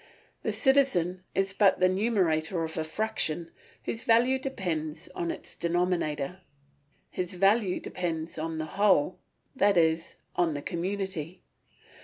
The citizen is but the numerator of a fraction, whose value depends on its denominator; his value depends upon the whole, that is, on the community.